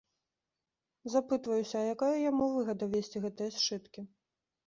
Запытваюся, а якая яму выгада, весці гэтыя сшыткі.